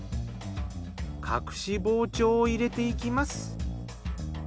隠し包丁を入れていきます。